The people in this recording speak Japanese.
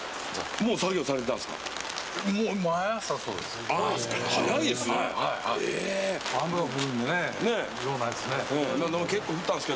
もう作業されていたんですか？